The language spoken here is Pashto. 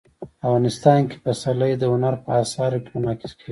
افغانستان کې پسرلی د هنر په اثار کې منعکس کېږي.